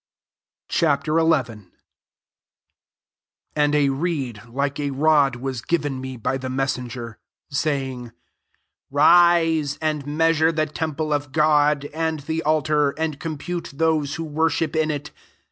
Ch. XL 1 And a reed like a rod was given me by themei' settgcTj saying, " Rise, and mea sure the temple of God, and the altar, and compute those who worship in it.